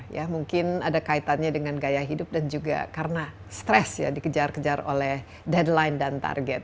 ya mungkin ada kaitannya dengan gaya hidup dan juga karena stres ya dikejar kejar oleh deadline dan target